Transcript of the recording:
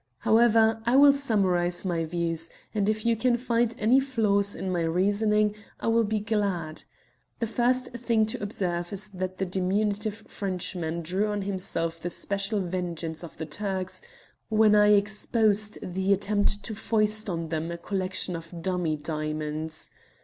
"However, I will summarise my views, and if you can find any flaws in my reasoning I will be glad. The first thing to observe is that the diminutive Frenchman drew on himself the special vengeance of the Turks when I exposed the attempt to foist on them a collection of dummy diamonds.